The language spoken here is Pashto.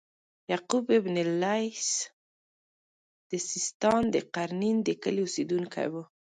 یعقوب بن اللیث د سیستان د قرنین د کلي اوسیدونکی و.